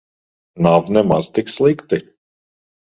Nav nemaz tik slikti.